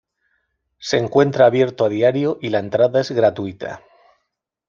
Se encuentra abierto a diario y la entrada es gratuita.